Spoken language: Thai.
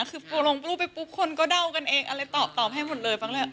คือพอลงรูปไปปุ๊บคนก็เดากันเองอะไรตอบให้หมดเลยฟังเลย